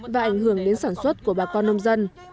và ảnh hưởng đến sản xuất của bà con nông dân